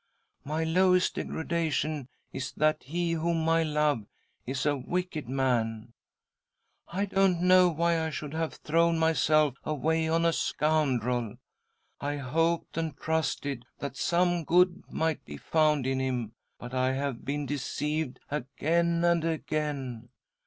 My lowest degradation is that he whom I love is a wicked man. I don't know why I should have thrown myself away on a scoundrel. I hoped and trusted that some good might be found in him, but I have been •deceived again and again.